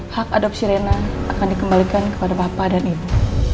hak adopsi rena akan dikembalikan kepada bapak dan ibu